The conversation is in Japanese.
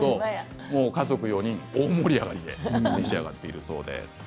家族４人大盛り上がりで召し上がっているそうです。